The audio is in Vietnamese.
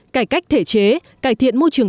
cải cách thể chế cải thiện môi trường